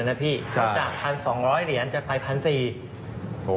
จะจ่างท้ายสองร้อยเหรียญจะไปพันสี่